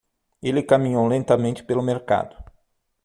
Ele caminhou lentamente pelo mercado.